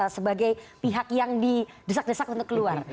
sebagai pihak yang didesak desak untuk keluar